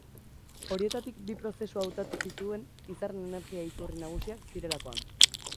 Horietatik bi prozesu hautatu zituen, izarren energia-iturri nagusiak zirelakoan.